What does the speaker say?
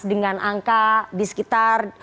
dengan angka di sekitar